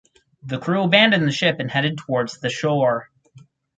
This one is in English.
The crew abandoned the ship and headed towards the shore.